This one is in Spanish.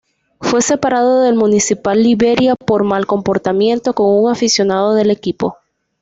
Fue separado del Municipal Liberia por mal comportamiento con un aficionado del equipo.